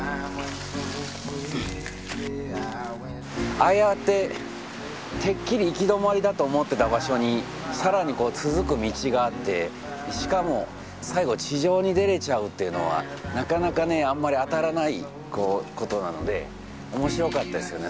ああやっててっきり行き止まりだと思ってた場所にさらに続く道があってしかも最後地上に出れちゃうっていうのはなかなかねあんまり当たらないことなので面白かったですよね